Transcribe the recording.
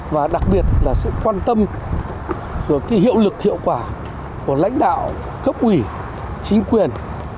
và đặc biệt là sự quan tâm hiệu lực hiệu quả của lãnh đạo cấp ủy chính quyền